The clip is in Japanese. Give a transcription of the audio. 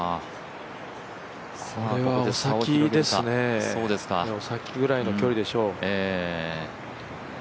これはお先ですね、お先ぐらいの距離でしょう。